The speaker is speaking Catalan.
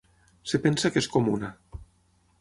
Es pensa que és comuna.